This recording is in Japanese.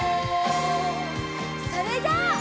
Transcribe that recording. それじゃあ。